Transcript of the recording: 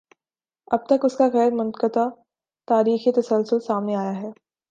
اب تک اس کا غیر منقطع تاریخی تسلسل سامنے آیا ہے۔